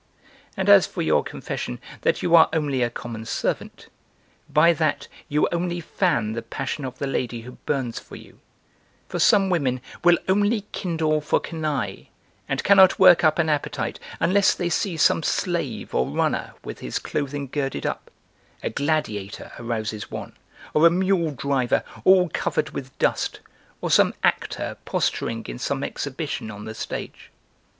And as for your confession that you are only a common servant, by that you only fan the passion of the lady who burns for you, for some women will only kindle for canaille and cannot work up an appetite unless they see some slave or runner with his clothing girded up: a gladiator arouses one, or a mule driver all covered with dust, or some actor posturing in some exhibition on the stage.